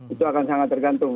itu akan sangat tergantung